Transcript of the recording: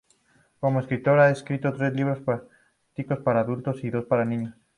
Como escritora ha escrito tres libros prácticos para adultos y dos para niños.